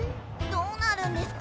どうなるんですか？